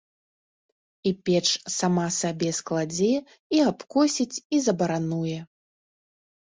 І печ сама сабе складзе, і абкосіць, і забарануе.